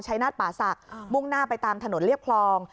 ชายนาฏป่าศักดิ์มุ่งหน้าไปตามถนนเรียบคลอง